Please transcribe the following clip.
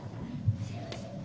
すいません。